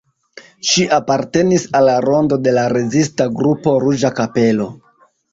Ŝi apartenis al la rondo de la rezista grupo "Ruĝa Kapelo".